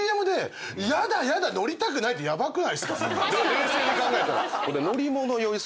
冷静に考えたら。